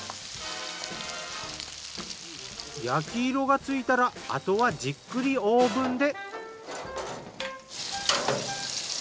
焼き色がついたら後はじっくりオーブンで。